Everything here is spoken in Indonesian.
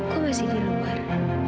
kau masih di luar